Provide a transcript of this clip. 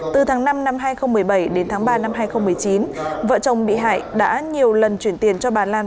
từ tháng năm năm hai nghìn một mươi bảy đến tháng ba năm hai nghìn một mươi chín vợ chồng bị hại đã nhiều lần chuyển tiền cho bà lan